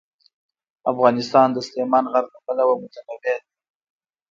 افغانستان د سلیمان غر له پلوه متنوع دی.